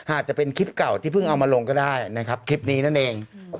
อาจจะเป็นคลิปเก่าที่เพิ่งเอามาลงก็ได้นะครับคลิปนี้นั่นเอง